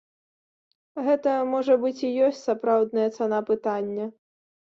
Гэта, можа быць, і ёсць сапраўдная цана пытання.